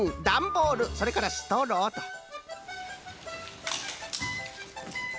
ダンボールそれからストローと！